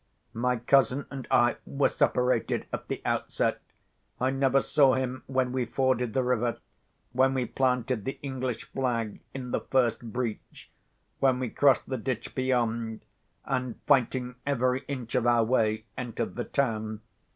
My cousin and I were separated at the outset. I never saw him when we forded the river; when we planted the English flag in the first breach; when we crossed the ditch beyond; and, fighting every inch of our way, entered the town.